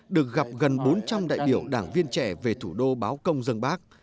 được gặp gần bốn trăm linh đại biểu đảng viên trẻ về thủ đô báo công dân bác